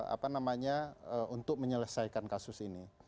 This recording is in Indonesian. apa namanya untuk menyelesaikan kasus ini